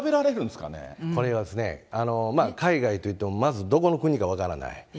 これは、海外というと、まずどこの国か分からない。